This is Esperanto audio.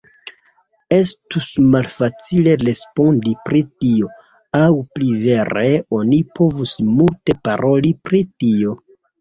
Estus malfacile respondi pri tio, aŭ pli vere oni povus multe paroli pri tio.